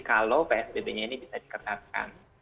kalau psbb nya ini bisa diketatkan